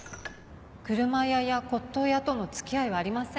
車屋や骨董屋との付き合いはありません。